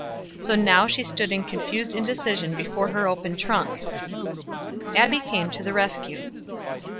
So now she stood in confused indecision before her open trunk. Abbie came to the rescue.